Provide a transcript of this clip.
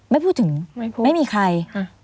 ไม่พูดถึงไม่มีใคร